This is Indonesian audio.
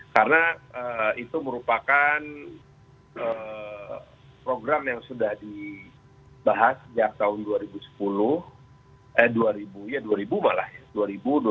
karena itu merupakan program yang sudah dibahas sejak tahun dua ribu sepuluh eh dua ribu ya dua ribu malah ya